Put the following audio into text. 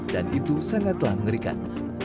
dan itu sangatlah mengerikan